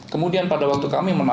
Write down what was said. kemudian pada waktu kami